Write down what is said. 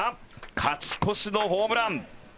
勝ち越しのホームラン。